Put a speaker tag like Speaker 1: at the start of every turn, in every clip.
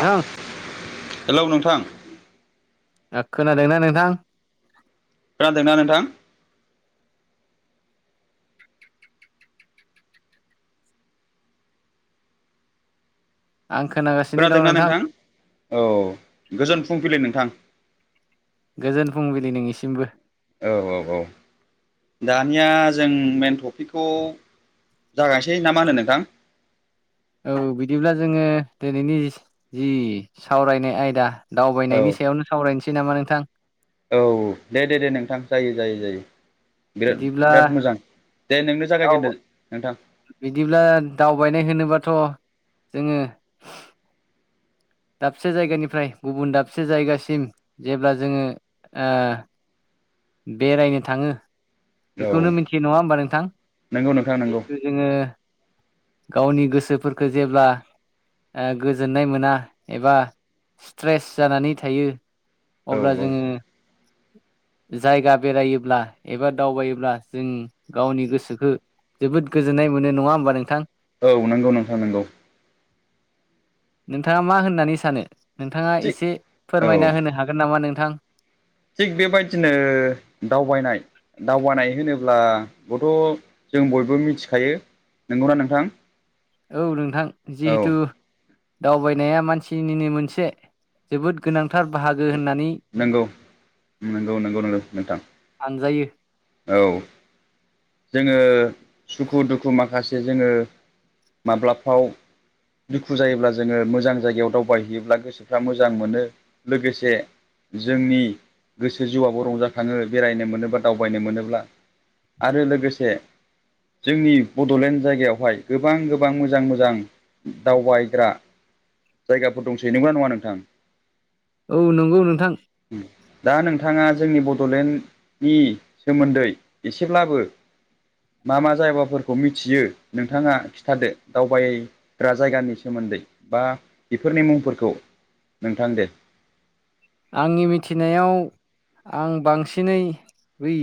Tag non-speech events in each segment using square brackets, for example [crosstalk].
Speaker 1: नोंथां।
Speaker 2: हेलौ नोंथां।
Speaker 1: खोनादोंना नोंथां?
Speaker 2: खोनादोंना नोंथां?
Speaker 1: आं खोनागासिनो।
Speaker 2: खोनादोंना नोंथां? औ गोजोन फुंबिलि नोंथां।
Speaker 1: गोजोन फुंबिलि नोंनिसिमबो।
Speaker 2: औ औ औ। दानिया जों मेन टपिकखौ जागायसै ना मा होनो नोंथां?
Speaker 1: औ बिदिब्ला जोङो दिनैनि जि सावरायनाय आयदा
Speaker 2: औ
Speaker 1: दावबायनायनि सायावनो सावरायनोसै नामा नोंथां?
Speaker 2: औ दे दे दे नोंथां जायो जायो जायो। बिराद
Speaker 1: बिदिब्ला
Speaker 2: बिराद मोजां दे नोंनो
Speaker 1: दाव
Speaker 2: जागायगोनदो नोंथां।
Speaker 1: बिदिब्ला दावबायनाय होनोबाथ' जोङो दाबसे जायगानिफ्राय गुबुन दाबसे जायगासिम जेब्ला जोङो ओ बेरायनो थाङो
Speaker 2: औ
Speaker 1: बेखौनो मिथियो नङा होमबा नोंथां?
Speaker 2: नंगौ नोंथां नंगौ
Speaker 1: जोङो गावनि गोसोफोरखौ जेब्ला गोजोननाय मोना एबा स्ट्रेस जानानै थायो
Speaker 2: औ
Speaker 1: अब्ला
Speaker 2: औ
Speaker 1: जोङो जायगा बेरायोब्ला एबा दावबायोब्ला जों गावनि गोसोखो जोबोद गोजोननाय मोनो नङा होमबा नोंथां?
Speaker 2: औ नंगौ नोंथां नंगौ।
Speaker 1: नोंथाङा मा होननानै सानो? नोंथाङा
Speaker 2: थिग
Speaker 1: एसे
Speaker 2: औ
Speaker 1: फोरमायना होनो हागोन नामा नोंथां?
Speaker 2: थिग बेबायदिनो दावबायनाय दावगानाय होनोब्लाबोथ' जों बयबो मिथिखायो। नंगौना नोंथां?
Speaker 1: औ नोंथां
Speaker 2: औ
Speaker 1: जिहेथु दावबायनाया मानसिनिनो मोनसे जोबोद गोनांथार बाहागो होननानै
Speaker 2: नंगौ। नंगौ नंगौ नोंगौ नोंथां
Speaker 1: सानजायो
Speaker 2: औ। जोङो सुखु दुखु माखासे जोङो माब्लाफ्राव दुखु जायोब्ला जोङो मोजां जायगायाव दावबायहैयोब्ला गोसोफ्रा मोजां मोनो। लोगोसे जोंनि गोसो जिउआबो रंजााखाङो। बेरायनो मोनोब्ला दावबायनो मोनोब्ला आरो लोगोसे जोंनि बड'लेण्ड जायगायावहाय गोबां गोबां मोजां मोजां दावबायग्रा जायगाफोर दंसै नंगौ ना नङा नोंथां?
Speaker 1: औ नंगौ नोंथां।
Speaker 2: दा नोंथाङा जोंनि बड'लेण्ड नि सोमोन्दै सेब्लाबो ‌ मा मा जायाबाफोरखौ मिथियो नोंथाङा खिथादो दावबाय ग्रा जायगानि सोमोन्दै बा बेफोरनि मुंफोरखौ नोंथां दे।
Speaker 1: आंनि मिथिनायाव आं बांसिनै बै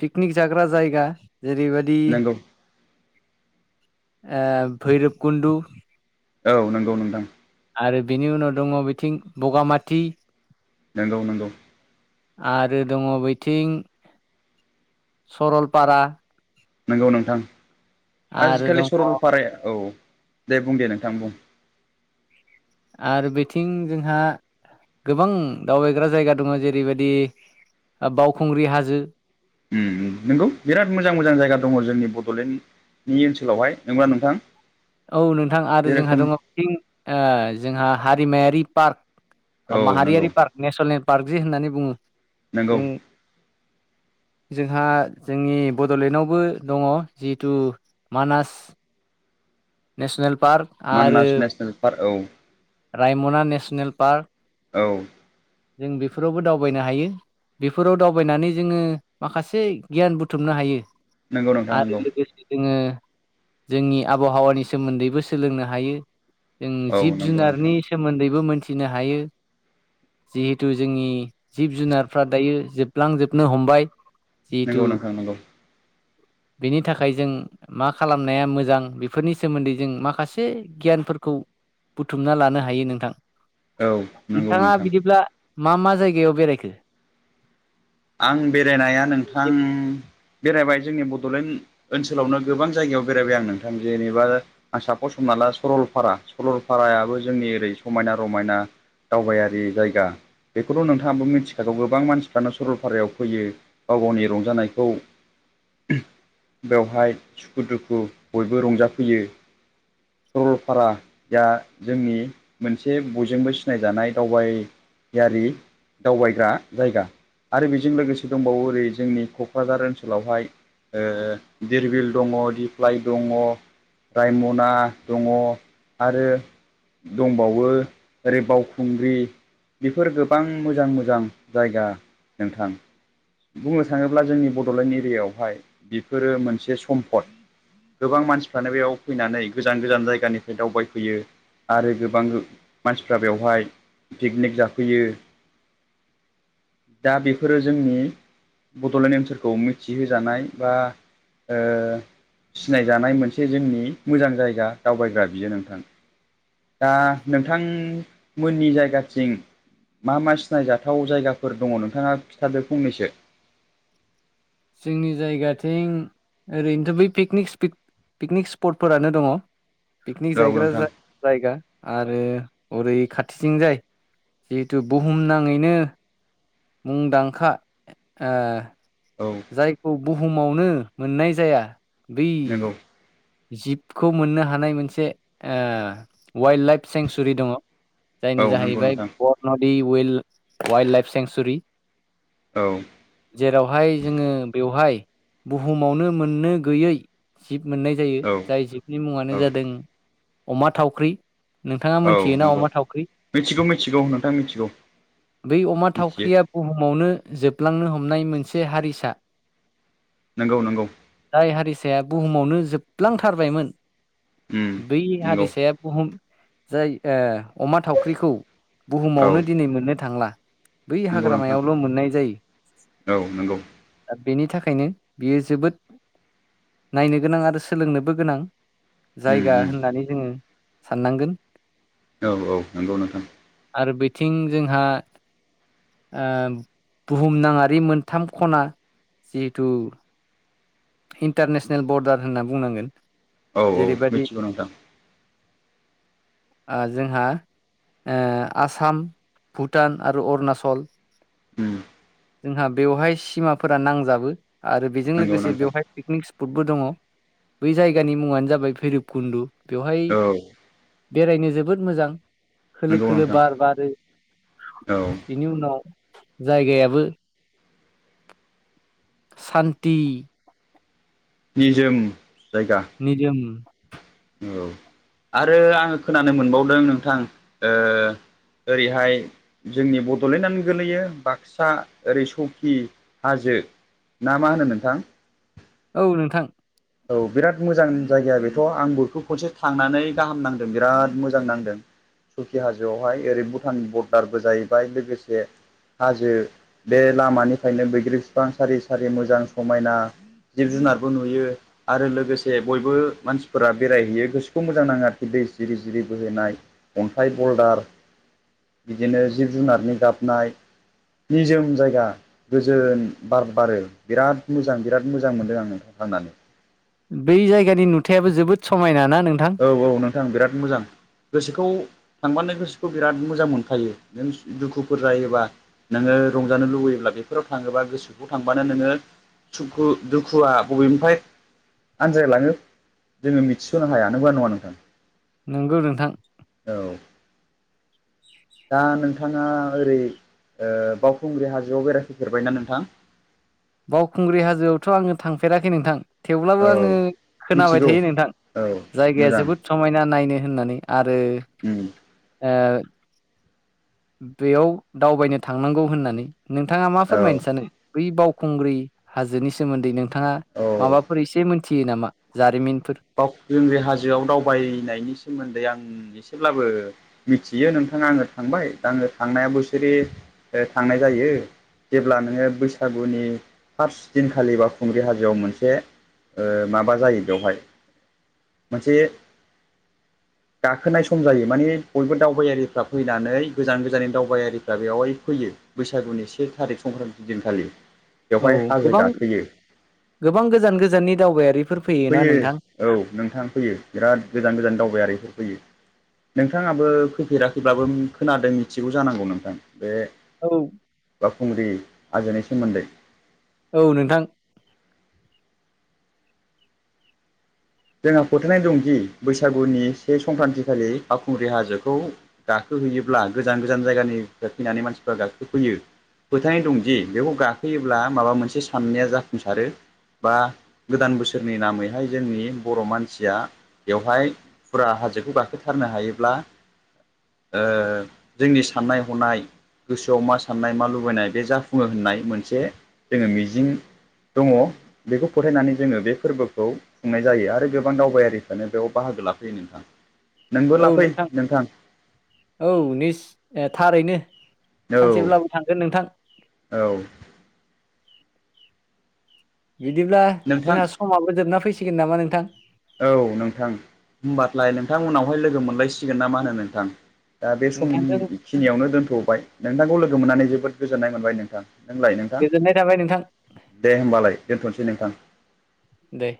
Speaker 1: पिकनिक जाग्रा जायगा जेरैबाय दि
Speaker 2: नंगौ
Speaker 1: ओ भैरोबकुन्दु
Speaker 2: औ, नोंगौ नोंथां।
Speaker 1: आरो बिनि उनाव दङ' बिथिं बगामाथि
Speaker 2: नोंगौ नोंगौ।
Speaker 1: आरो दङ' बैथिं सरलपारा
Speaker 2: नोंगौ नोंथां।
Speaker 1: आरो
Speaker 2: आजिखालि
Speaker 1: दङ
Speaker 2: सरलपाराया औ, दे बुं दे नोंथां बुं।
Speaker 1: आरो बेथिं जोंहा गोबां दावबायग्रा जायगा दङ' जेरैबादि ओ बावखुंग्रि हाजो
Speaker 2: उम नोंगौ बिराद मोजां मोजां जायगा दङ' जोंनि बड'लेण्ड नि ओनसोलावहाय नोंगौ ना नोंथां?
Speaker 1: औ नोंथां आरो जोंहा
Speaker 2: जेरोखोम
Speaker 1: दङ' थिं ओ जोंहा हारिमायारि पार्क।
Speaker 2: औ नंगौ
Speaker 1: माहारियारि पार्क नेस'नेल पार्क जि होन्नानै बुङो जों
Speaker 2: [unintelligible]
Speaker 1: जोंहा जोंनि बड'लेण्डआवबो दङ' जितु Manas national park
Speaker 2: Manas national park औ।
Speaker 1: राइमना नेसनेल पार्क
Speaker 2: औ।
Speaker 1: जों बेफोरावबो दावबायनो हायो बेफोराव दावबायनानै जोङो माखासे गियान बुथुमनो हायो,
Speaker 2: नंगौ नोंथां नंगौ
Speaker 1: आरो लोगोसे जोङो जोंनि आबहावानि सोमोन्दैबो सोलोंनो हायो जों
Speaker 2: औ
Speaker 1: जिब
Speaker 2: नंगौ नोंथां
Speaker 1: जुनारनि सोमोन्दैबो मोनथिनो हायो जिहेथु जोंनि जिब जुनारफ्रा दायो जोबलांजोबनो हमबाय जिथु
Speaker 2: नंगौ नोंथां नंगौ
Speaker 1: बेनि थाखाय जों मा खालामनाया मोजां बेफोरनि सोमोन्दै जों माखासे गियानफोरखौ बुथुमना लानो हायो नोंथां।
Speaker 2: औ नंगौ
Speaker 1: नोंथाङा
Speaker 2: नोंथां
Speaker 1: बिदिब्ला मा मा जायगायाव बेरायखो
Speaker 2: आं बेरायनाया नोंथां बेरायबाय जोंनि बड'लेण्ड ओनसोलावनो गोबां जायगायाव बेरायबाय आं नोंथां जेनेबा आ साफस हमना ला सरलपारा, सलरपाराआबो जोंनि ओरै समायना रमायना दावबायारि जायगा, बेखौथ' नोंथाङाबो मिथिखागौ गोबां मानसिफ्रानो सरलपाराआव फैयो, गाव गावनि रंजानायखौ बेवहाय सुखु दुखु बयबो रंजाफैयो सरलपारा या जोंनि मोनसे बयजोंबो सिनायजानाय दावबाय ‌ यारि दावबायग्रा जायगा आरो बेजों लोगोसे दंबावो ओरै जोंनि क'क्राझार ओनसोलावहाय ओ दिरबिल दङ' दिप्लाइ दङ' राइमना दङ' आरो दंबावो ओरै बावखुंग्रि बिफोर गोबां मोजां मोजां जायगा नोंथां। बुंनो थाङोब्ला जोंनि बड'लेण्ड एरियाआवहाय बिफोरो मोनसे सम्पद। गोबां मानसिफ्रानो बेयाव फैनानै गो जान गोजान जायगानिफ्राय दावबायफैयो आरो गोबां मानसिफ्रा बेवहाय पिकनिक जाफैयो, दा बेफोरो जोंनि बड'लेण्ड ओनसोलखौ मिथिहोजानाय बा ओ सिनायजानाय मोनसे जोंनि मोजां जायगा दावबायग्रा बियो नोंथां। दा नोंथांमोननि जायगाथिं मा मा सिनायजाथाव जायगाफोर दङ नोंथाङा खिन्थादो फंनैसो
Speaker 1: जोंनि जायगाथिं ओरैनोथ' बै पिकनिक पिकनिक स्पटफोरानो दङ। पिकनिक
Speaker 2: औ
Speaker 1: जायग्रा
Speaker 2: नोंथां
Speaker 1: जाय जायगा आरो ओरै खाथिथिंजाय जिहेथु बुहुम नाङैनो मुंदांखा ओ
Speaker 2: औ
Speaker 1: जायखौ बुहुमावनो मोननाय जाया बै
Speaker 2: नंगौ
Speaker 1: जिबखौ मोननो हानाय मोनसे ओ वाइल्ड लाइफ सेंसुरि दङ
Speaker 2: औ
Speaker 1: जायनो
Speaker 2: नंगौ
Speaker 1: जाहैबाय
Speaker 2: नोंथां
Speaker 1: बर नदि व वाइल्ड लाइफ सेंसुरि
Speaker 2: औ
Speaker 1: जेरावहाय जोङो बेवहाय बुहुमावनो मोननो गैयै जिब मोननाय जायो
Speaker 2: औ
Speaker 1: जाय जिबनि मुङानो
Speaker 2: औ
Speaker 1: जादों अमा थावख्रि। नोंथाङा
Speaker 2: औ
Speaker 1: मोनथियोना
Speaker 2: नंगौ
Speaker 1: अमा थावख्रि
Speaker 2: मिथिगौ मिथिगौ नोंथां मिथिगौ।
Speaker 1: बै अमा
Speaker 2: मिथियो
Speaker 1: थावख्रिया बुहुमावनो जोबलांनो हमनाय मोनसे हारिसा
Speaker 2: नोंगौ नोंगौ।
Speaker 1: जाय हारिसाया बुहुमावनो जोबलांथारबायमोन
Speaker 2: उम
Speaker 1: बै
Speaker 2: नंगौ
Speaker 1: हारिसाया बुहुम जाय ओ अमा थावख्रिखौ
Speaker 2: औ
Speaker 1: बुहुमावनो दिनै मोननो थांला बै
Speaker 2: नंगौ नोंथां
Speaker 1: हाग्रामायावल' मोननाय जायो।
Speaker 2: औ नंगौ
Speaker 1: दा बेनि थाखायनो बियो जोबोद नायनो गोनां आरो सोलोंनोबो गोनां।
Speaker 2: उम
Speaker 1: जायगा
Speaker 2: उम
Speaker 1: होननानै जोङो साननांगोन।
Speaker 2: औ औ नंगौ नोंथां।
Speaker 1: आरो बिथिं जोंहा बुहुमनाङारि मोनथाम खना जिहेथु इन्टारनेसनेल बरडार होनना बुंनांगोन
Speaker 2: औ औ
Speaker 1: जेरैबायदि
Speaker 2: मिथिगौ [inaudible]
Speaker 1: ओ जोंहा ओ आसाम भुटान आरो अरुणाचल
Speaker 2: उम
Speaker 1: जोंहा बेवहाय सिमाफोरा नांजाबो। आरो बेजों
Speaker 2: नंगौ
Speaker 1: लोगोसे
Speaker 2: नोंथां
Speaker 1: बेवहाय पिकनिक स्पटबो दङ बै जायगानि मुङानो जाबाय भैरबकुन्दु। बेवहाय
Speaker 2: औ
Speaker 1: बेरायनो जोबोद मोजां। खोलो
Speaker 2: नंगौ
Speaker 1: खोलो
Speaker 2: नोंथां
Speaker 1: बार बारो।
Speaker 2: औ
Speaker 1: बिनि उनाव जायगायाबो सान्थि
Speaker 2: निजोम जायगा।
Speaker 1: निजोम।
Speaker 2: औ आरो आङो खोनानो मोनबावदों नोंथां ओ ओरैहाय जोंनि बड'लेण्डआनो गोलैयो बाक्सा ओरै सौकि हाजो ना मा होनो नोंथां?
Speaker 1: औ नोंथां।
Speaker 2: औ बिराद मोजां जायगाया बेथ' आं बयखौ खनसे थांनानै गाहाम नांदों बिराद मोजां नांदों। सुकि हाजोआवहाय ओरै भुटान बरदारबो जाहैबाय लोगोसे हाजो बे लामानिफ्रायनो बैग्रि बिफां सारि सारि मोजां समायना। जिब जुनारबो नुयो। आरो लोगोसे बयबो मानसिफोरा बेरायहैयो गोसोखौ मोजां नाङो आरोखि दै जिरि जिरि बोहैनाय। अन्थाइ बलदार बिदिनो जिब जुनारनि गाबनाय निजोम जायगा गोजोन बार बारो बिराद मोजां बिराद मोजां मोनदों आं नोंथां थांनानै
Speaker 1: बै जायगानि नुथायाबो जोबोद समायना ना नोंथां
Speaker 2: औ औ नोंथां बिराद मोजां गोसोखौ थांबानो गोसोखौ बिराद मोजां मोनखायो नों दुखुफोर जायोबा नोङो रंजानो लुबैयोब्ला बेफोराव थाङोबा गोसोखौ थांबानो नोङो सुखु दुखुआ बबेनिफ्राय आनज्रायलाङो जोङो मिथिस'नो हाया नंगौना नङा नोंथां
Speaker 1: नंगौ नोंथां
Speaker 2: औ दा नोंथाङा ओरै ओ बावखुंग्रि हाजोआव बेरायफैफेरबायना नोंथां
Speaker 1: बावखुंग्रि हाजोआवथ' आङो थांफेराखै नोंथां थेवब्लाबो
Speaker 2: औ
Speaker 1: आङो खोनाबाय
Speaker 2: मिथिगौ
Speaker 1: थायो नोंथां
Speaker 2: औ
Speaker 1: जायगाया
Speaker 2: मोजां
Speaker 1: जोबोद समायना नायनो होननानै आरो
Speaker 2: उम
Speaker 1: ओ बेयाव दावबायनो थांनांगौ होननानै नोंथाङा मा
Speaker 2: औ
Speaker 1: फोरमायनो सानो बै बावखुंग्रि हाजोनि सोमोन्दै नोंथाङा
Speaker 2: औ
Speaker 1: माबाफोर एसे मोनथियो नामा जारिमिनफोर
Speaker 2: बावखुंग्रि हाजोआव दावबायनायनि सोमोन्दै आं एसेब्लाबो मिथियो नोंथाङा आङो थांबाय दा आङो थांनाया बोसोरे थांनाय जायो जेब्ला नोङो बैसागुनि फार्स्ट दिनखालि बावखुंग्रि हाजोआव मोनसे ओ माबा जायो बेवहाय मोनसे गाखोनाय सम जायो माने बयबो दावबायारिफ्रा फैनानै गोजान गोजाननि दावबायारिफ्रा बेवहाय फैयो बैसागुनि से थारिख संक्रान्ति दिन खालि
Speaker 1: औ गोबां गोबां गोजान गोजाननि दावबायारि
Speaker 2: फैयो औ नोंथां फैयो बिराद गोजान गोजान दावबायारिफोर फैयो नोंथाङाबो फैफेराखैब्लाबो खोनादों मिथिगौ जानांगौ नोंथां बे
Speaker 1: औ
Speaker 2: बावखुंग्रि आजोनि सोमोन्दै
Speaker 1: औ नोंथां
Speaker 2: जोंहा फोथायनाय दंदि बैसागुनि से संक्रान्तिखालि फावखुंग्रि हाजोखौ गाखोहैयोब्ला गोजान गोजान जायगानिफ्राय फैनानै मानसिफ्रा गाखोफैयो फोथायनाय दंदि बेखौ गाखोयोब्ला माबा मोनसे साननाया जाफुंसारो बा गोदान बोसोरनि नामैहाय जोंनि बर' मानसिया बेवहाय फुरा हाजोखौ गाखोथारनो हायोब्ला ओ जोंनि साननाय हनाय गोसोआव मा साननाय मा लुबैनाय बे जाफुङो होननाय मोनसे जोङो मिजिं दङ बेखौ फोथायनानै जोङो बे फोरबोखौ खुंनाय जायो आरो आरो गोबां दावबायारिफ्रानो बेयाव बाहागो लाफैयो नोंथां नोंबो लाफै नोंथां
Speaker 1: औ निस थारैनो
Speaker 2: औ
Speaker 1: सानसेब्लाबो थांगोन नोंथां
Speaker 2: औ
Speaker 1: बिदिब्ला
Speaker 2: नोंथां
Speaker 1: जोंहा समाबो जोबना फैसिगोन नामा नोंथां
Speaker 2: औ नोंथां होमबालाय नोंथां उनावहाय लोगो मोनलायसिगोन ना मा होनो नोंथां ओ बे
Speaker 1: नोंथांजों
Speaker 2: समखिनियावनो दोनथ'बाय नोंथांखौ लोगो मोननानै जोबोद गोजोननाय मोनबाय नोंथां नोंलाय नोंथां
Speaker 1: गोजोननाय थाबाय नोंथां
Speaker 2: दे होमबालाय दोनथ'नोसै नोंथां
Speaker 1: दे